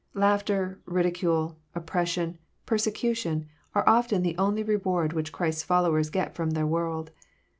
Laughter, ridicule, opposition, persecution, are often the only reward which Christ's followers get from the world.